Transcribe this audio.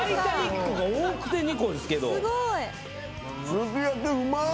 すき焼きうまっ。